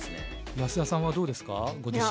安田さんはどうですかご自身。